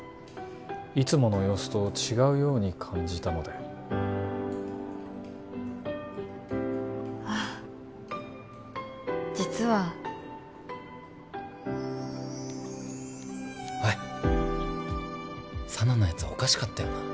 いつもの様子と違うように感じたのであ実はおい佐奈のやつおかしかったよな？